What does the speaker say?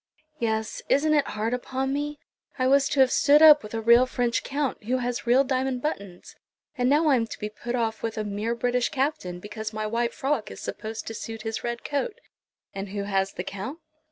"Yes; isn't it hard upon me? I was to have stood up with a real French Count, who has real diamond buttons, and now I am to be put off with a mere British Captain, because my white frock is supposed to suit his red coat!" "And who has the Count?"